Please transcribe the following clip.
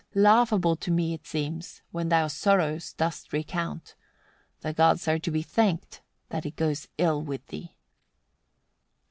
Laughable to me it seems, when thou sorrows dost recount. The gods are to be thanked, that it goes ill with thee."